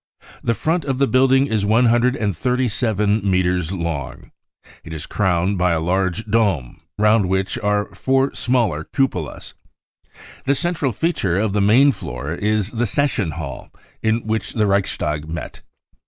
The ^ront of the building is 137 metres long. It is crowned by a large dome, round which are four smaller cupolas. The central feature of the main floor is the session hall in which the Reichstag met.